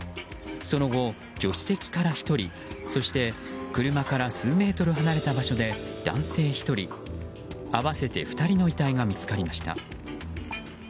その後、助手席から１人そして、車から数メートル離れた場所で男性１人、合わせて２人の遺体が見つかりました。